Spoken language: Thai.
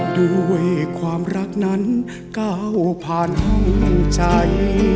ด้วยความรักนั้นก้าวผ่านห้องใจ